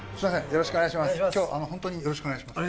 よろしくお願いします